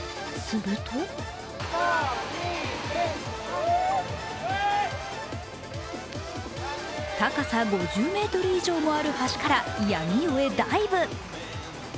すると高さ５０ｍ以上もある橋から闇夜へダイブ。